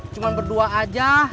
cuma berdua aja